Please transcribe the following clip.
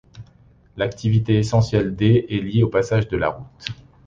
L'activité essentielle des est liée au passage de la route.